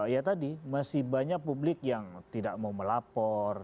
ya tadi masih banyak publik yang tidak mau melapor